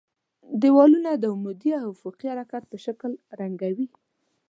دېوالونه د عمودي او افقي حرکت په شکل رنګوي.